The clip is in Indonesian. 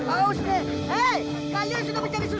aduh dia haus nih